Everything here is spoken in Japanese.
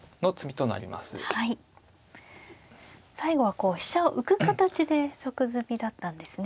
最後はこう飛車を浮く形で即詰みだったんですね。